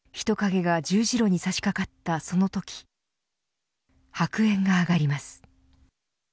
人影が十字路に差し掛かったそのとき白煙が上がります。